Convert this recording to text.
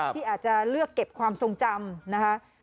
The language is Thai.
ที่อาจจะเลือกเก็บความทรงจำนะคะ